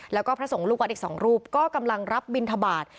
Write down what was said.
แล้วก็พระสงฆ์ลูกวัดอีก๒รูปก็กำลังรับบินทบาท